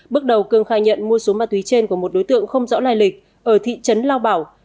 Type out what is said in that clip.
bước đầu cương khai nhận mua số ma túy trên của một đối tượng không rõ lai lịch ở thị trấn lao bảo